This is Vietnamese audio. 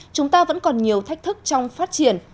chúng ta vẫn còn nhiều thách thức trong phát triển